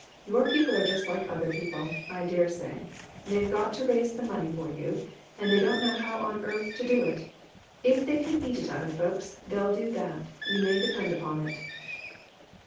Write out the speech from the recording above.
Your people are just like other people, I dare say. They've got to raise the money for you, and they don't know how on earth to do it ; if they can eat it out of folks, they'll do that, you may depend upon it."